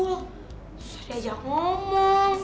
susah diajak ngomong